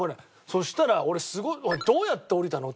そしたら俺すごい「どうやって下りたの？」